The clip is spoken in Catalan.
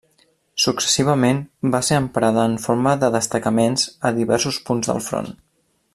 Successivament va ser emprada en forma de destacaments a diversos punts del front.